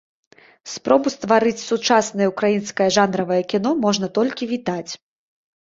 Спробу стварыць сучаснае ўкраінскае жанравае кіно можна толькі вітаць.